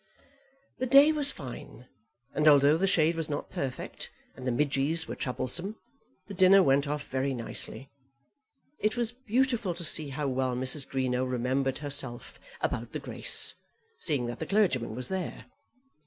The day was fine, and although the shade was not perfect, and the midges were troublesome, the dinner went off very nicely. It was beautiful to see how well Mrs. Greenow remembered herself about the grace, seeing that the clergyman was there.